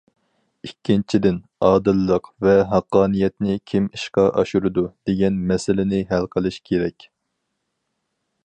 ئىككىنچىدىن،‹‹ ئادىللىق ۋە ھەققانىيەتنى كىم ئىشقا ئاشۇرىدۇ›› دېگەن مەسىلىنى ھەل قىلىش كېرەك.